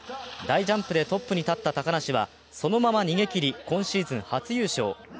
大ジャンプでトップに立った高梨はそのまま逃げきり、今シーズン初優勝。